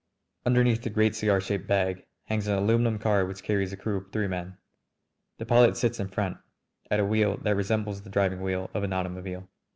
Underneath the great cigar shaped bag hangs an aluminum car which carries a crew of three men. The pilot sits in front at a wheel that resembles the driving wheel of an automobile.